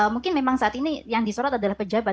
mungkin memang saat ini yang disorot adalah pejabat